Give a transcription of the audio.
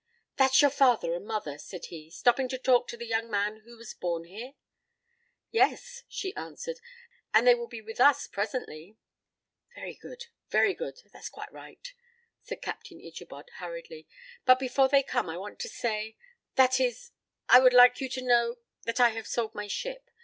"That's your father and mother," said he, "stopping to talk to the young man who was born here?" "Yes," she answered, "and they will be with us presently." "Very good, very good, that's quite right," said Captain Ichabod hurriedly; "but before they come, I want to say that is, I would like you to know that I have sold my ship.